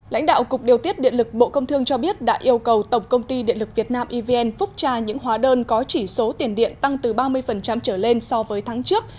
lãnh đạo cục điều tiết điện lực bộ công thương cho biết đã yêu cầu tổng công ty điện lực việt nam evn phúc tra những hóa đơn có chỉ số tiền điện tăng từ ba mươi trở lên so với tháng trước